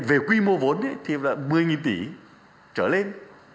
về quy mô vốn thì là một mươi tỷ trở lên